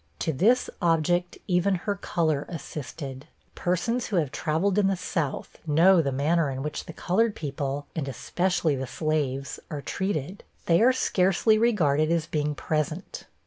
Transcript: To this object, even her color assisted. Persons who have traveled in the South know the manner in which the colored people, and especially slaves, are treated; they are scarcely regarded as being present.